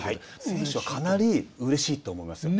選手はかなりうれしいと思いますよ。